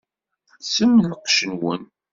Lsem lqecc-nwen!